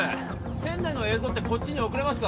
船内の映像ってこっちに送れますか？